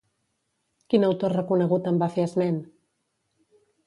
Quin autor reconegut en va fer esment?